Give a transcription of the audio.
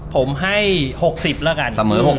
ผมให้๖๐ละกัน